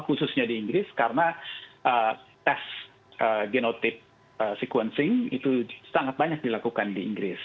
khususnya di inggris karena tes genotip sequencing itu sangat banyak dilakukan di inggris